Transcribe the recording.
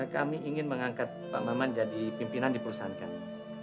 kami ingin mengangkat pak maman jadi pimpinan di perusahaan kami